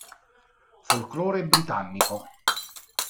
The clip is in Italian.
Folclore britannico